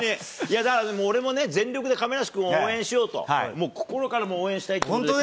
だから、俺もね、全力で亀梨君を応援しようと、もう心から、もう応援したいということで。